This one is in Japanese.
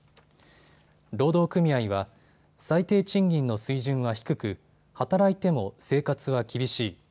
労働組合は最低賃金の水準は低く、働いても生活は厳しい。